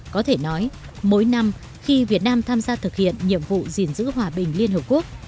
có thể nói mỗi năm khi việt nam tham gia thực hiện nhiệm vụ gìn giữ hòa bình liên hợp quốc